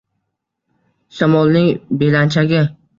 Shamolning belanchagi